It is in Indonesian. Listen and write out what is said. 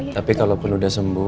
tapi kalaupun udah sembuh